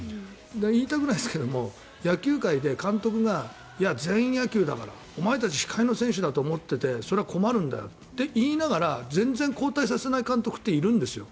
言いたくないですが野球界で監督がいや、全員野球だからお前たち控えの選手たちだと思っているそれは困るんだよと言いながら全然交代させない監督っているんですよ。